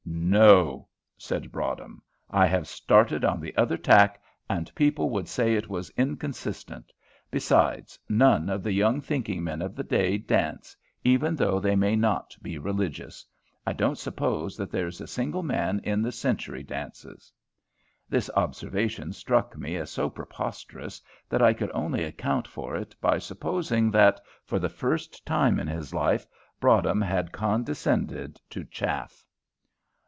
"No," said Broadhem; "I have started on the other tack, and people would say it was inconsistent; besides, none of the young thinking men of the day dance, even though they may not be religious. I don't suppose that there is a single man in the Century dances." This observation struck me as so preposterous that I could only account for it by supposing that, for the first time in his life, Broadhem had condescended to "chaff."